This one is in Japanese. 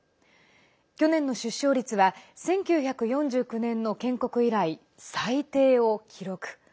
去年の出生率は１９４９年の建国以来、最低を記録。